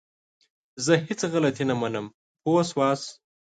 زه هيڅ غلطي نه منم! پوه شوئ!